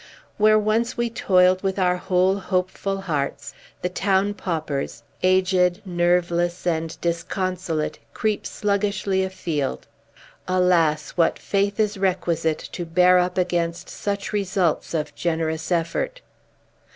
Where once we toiled with our whole hopeful hearts, the town paupers, aged, nerveless, and disconsolate, creep sluggishly afield. Alas, what faith is requisite to bear up against such results of generous effort!